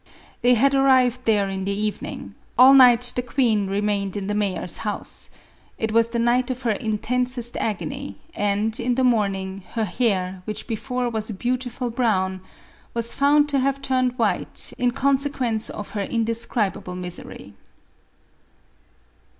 They had arrived there in the evening; all night the queen re mained in the mayor's house; it was the night of her intensest agony, and. in the morning, her hair, which before was a beautiful brown, was found to have turned white in consequence of her indescribable misery.